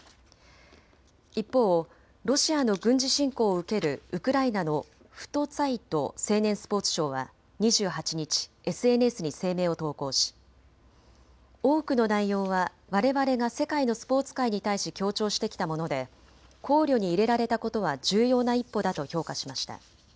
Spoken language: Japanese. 一方、ロシアの軍事侵攻を受けるウクライナのフトツァイト青年スポーツ相は２８日、ＳＮＳに声明を投稿し多くの内容はわれわれが世界のスポーツ界に対し強調してきたもので考慮に入れられたことは重要な一歩だと評価しました。